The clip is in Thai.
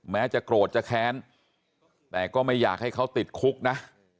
จะโกรธจะแค้นแต่ก็ไม่อยากให้เขาติดคุกนะ